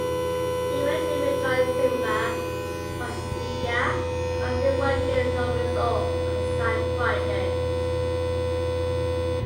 He eventually rejoined Simba Wanyika while still working with Jobiso on side projects.